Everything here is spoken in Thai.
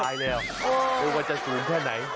โอ๊ยแล้วมันจะสูญแค่ไหน